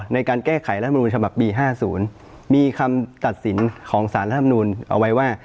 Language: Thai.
ในการแก้ไขรัฐมนุนฉบับปี๕๐มีคำตัดสินของสารรัฐธรรมนูลเอาไว้ว่า